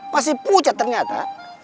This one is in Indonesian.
pasti pucat ternyata